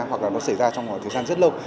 hoặc là nó xảy ra trong một thời gian rất lâu